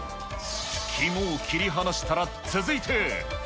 肝を切り離したら、続いて。